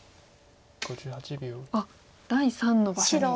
あっ第３の場所に。